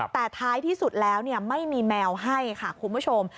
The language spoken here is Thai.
แต่ท้ายที่สุดแล้วไม่มีแมวให้ค่ะคุณผู้ชม